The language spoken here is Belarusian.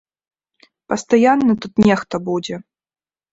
Пастаянна тут нехта будзе.